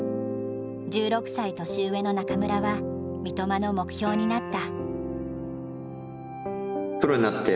１６歳年上の中村は三笘の目標になった。